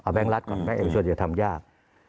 เอาแบงค์รัฐก่อนไม่เอาส่วนอย่าทำยาก